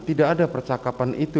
tidak ada percakapan itu